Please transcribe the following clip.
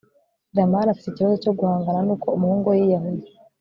jamali afite ikibazo cyo guhangana n'uko umuhungu we yiyahuye